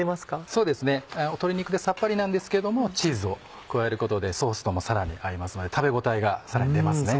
そうですね鶏肉でさっぱりなんですけどもチーズを加えることでソースともさらに合いますので食べ応えがさらに出ますね。